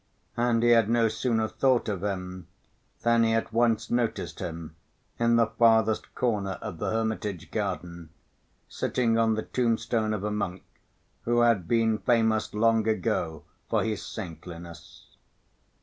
And he had no sooner thought of him than he at once noticed him in the farthest corner of the hermitage garden, sitting on the tombstone of a monk who had been famous long ago for his saintliness.